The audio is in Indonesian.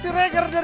aku mau ke kantor